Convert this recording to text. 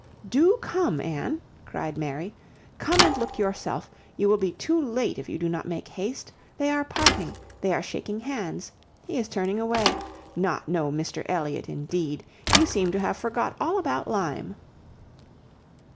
"Do come, Anne," cried Mary, "come and look yourself. You will be too late if you do not make haste. They are parting; they are shaking hands. He is turning away. Not know Mr Elliot, indeed! You seem to have forgot all about Lyme."